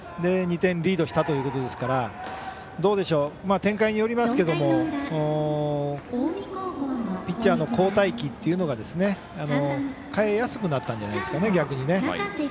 ２点リードしたということですから展開によりますけれどもピッチャーの交代機っていうのが代えやすくなったんじゃないですかね。